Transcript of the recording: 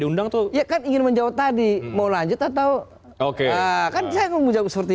diundang tuh ya kan ingin menjawab tadi mau lanjut atau oke kan saya mau menjawab seperti